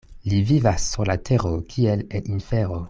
Li vivas sur la tero kiel en infero.